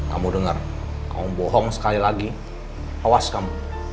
kamu dengar kamu bohong sekali lagi awas kamu